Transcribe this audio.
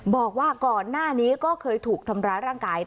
บอกว่าก่อนหน้านี้ก็เคยถูกทำร้ายร่างกาย